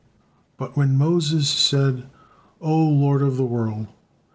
But when Moses said: "O Lord of the world!